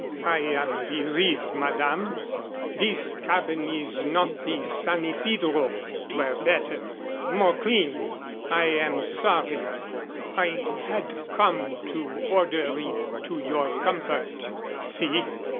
"I am bereaved, madame. This cabin is not the San Isidro. 'Twere better, more cleanly. I am sorry. I had come to order it to your comfort. See.